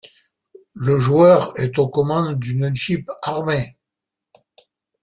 Le joueur est aux commandes d'une jeep armée.